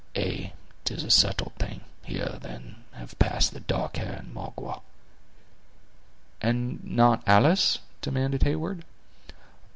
"Ay, 'tis a settled thing; here, then, have passed the dark hair and Magua." "And not Alice?" demanded Heyward.